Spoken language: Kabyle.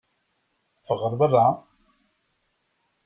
Ffeɣ ɣer berra!